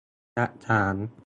หลักฐาน !